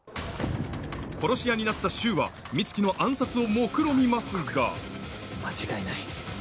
殺し屋になった柊は美月の暗殺を目論みますが間違いない。